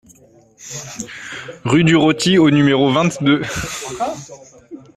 Rue du Roty au numéro vingt-deux